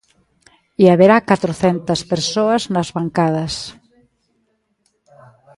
E haberá catrocentas persoas nas bancadas...